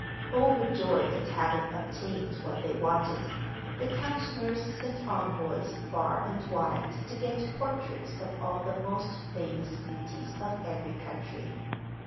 Overjoyed at having obtained what they wanted, the counsellors sent envoys far and wide to get portraits of all the most famous beauties of every country.